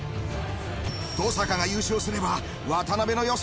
登坂が優勝すれば渡辺の予想